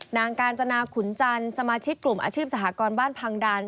นางกาญจนาขุนจันทร์สมาชิกกลุ่มอาชีพสหกรบ้านพังดัน